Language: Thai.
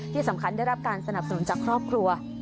ที่สำคัญได้รับการสนับสนุนจากครอบครัว